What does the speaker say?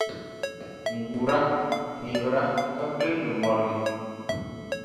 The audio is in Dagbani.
N-guura, n-yiɣira ka bilindi mɔri ni.